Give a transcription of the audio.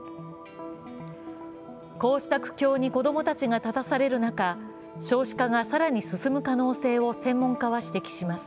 こうした苦境に子供たちが立たされる中、少子化が更に進む可能性を専門家は指摘します。